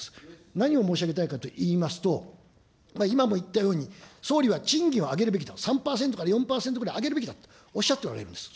何を申し上げたいかといいますと、今も言ったように、総理は賃金を上げるべきだ、３％から４％ぐらい上げるべきだとおっしゃっておられるんです。